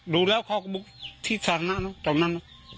ดูแล้วเขามุขที่สามน้ำตรงนั่น